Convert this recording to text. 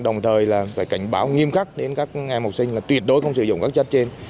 đồng thời là phải cảnh báo nghiêm khắc đến các em học sinh là tuyệt đối không sử dụng các chất trên